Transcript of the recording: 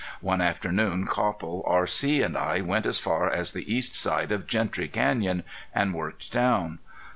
One afternoon Copple, R.C., and I went as far as the east side of Gentry Canyon and worked down.